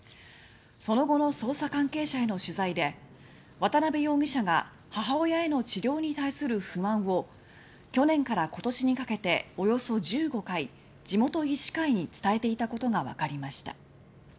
その後の捜査関係者への取材で渡辺容疑者が母親への治療に対する不満を去年から今年にかけておよそ１５回地元医師会に伝えていたことが分かりました。